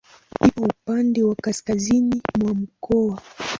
Ipo upande wa kaskazini mwa mkoa.